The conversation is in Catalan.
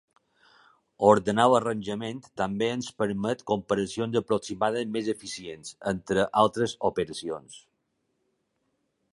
Ordenar l'arranjament també ens permet comparacions aproximades més eficients, entre altres operacions.